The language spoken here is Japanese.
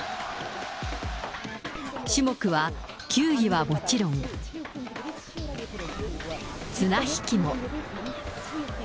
種目は、球技はもちろん、綱引きも。